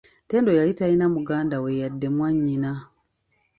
Ttendo yali talina muganda we yadde mwanyina.